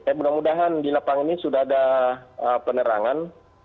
eh mudah mudahan di lapangan ini sudah ada penerangan